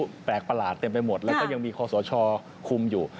แต่ก็ไม่รู้แปลกประหลาดเต็มไปหมดและก็ยังมีคสชคุมอยู่